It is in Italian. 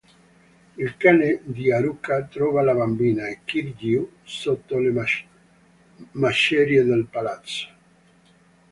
Il cane di Haruka trova la bambina e Kiryu sotto le macerie del palazzo.